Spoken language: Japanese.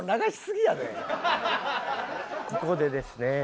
ここでですね